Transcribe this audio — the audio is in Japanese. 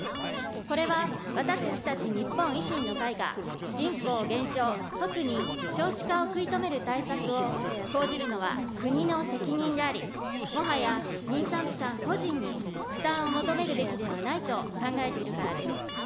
これは私たち日本維新の会が人口減少、特に少子化を食い止める対策を講じるのは国の責任であり、もはや妊産婦さん個人に負担を求めるべきではないと考えているからです。